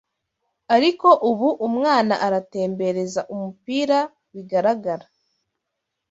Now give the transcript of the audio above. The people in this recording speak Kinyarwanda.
ariko ubu umwana aratembereza umupira bigaragara